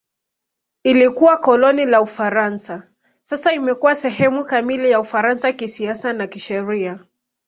Ilikuwa koloni la Ufaransa; sasa imekuwa sehemu kamili ya Ufaransa kisiasa na kisheria.